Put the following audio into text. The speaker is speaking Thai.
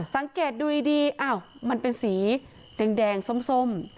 สังเกตดูดีอ้าวมันเป็นสีแดงส้ม